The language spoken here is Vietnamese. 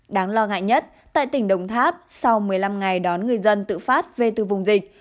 đáng lo ngại nhất tại tỉnh đồng tháp sau một mươi năm ngày đón người dân tự phát về từ vùng dịch